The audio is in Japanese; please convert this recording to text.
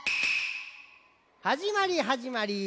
はじまりはじまり。